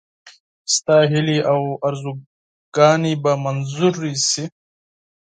ستا هیلې او آرزوګانې به منظوري شي.